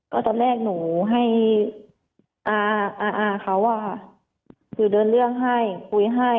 ก็ตอนแรกหนูให้อาเขาคือเดินเรื่องให้คุยให้